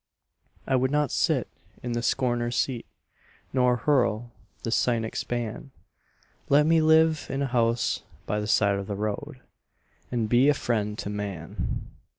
I would not sit in the scorner's seat Nor hurl the cynic's ban Let me live in a house by the side of the road And be a friend to man.